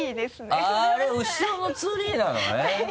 あれ後ろのツリーなのね？